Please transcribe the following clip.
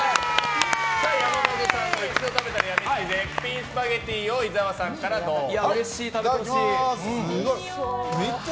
山本浩司さんの一度食べたらやみつき絶品スパゲティーを伊沢さんからどうぞ。